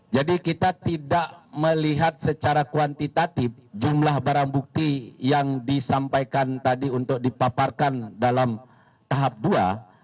jadi kita tidak melihat secara kuantitatif jumlah barang bukti yang disampaikan tadi untuk dipaparkan dalam tahap dua